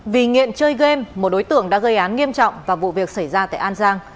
vì nghiện chơi game một đối tượng đã gây án nghiêm trọng và vụ việc xảy ra tại an giang